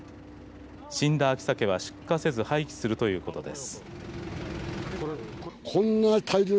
死んだ秋サケは出荷せず廃棄するということです。